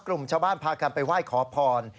กลุ่มชาวบ้านพากันไปไหว้ขอพร